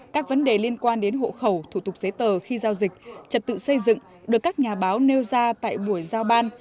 các vấn đề liên quan đến hộ khẩu thủ tục giấy tờ khi giao dịch trật tự xây dựng được các nhà báo nêu ra tại buổi giao ban